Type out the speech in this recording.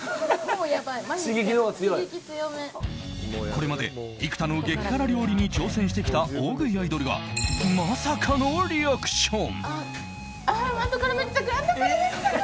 これまで幾多の激辛に挑戦してきた大食いアイドルがまさかのリアクション。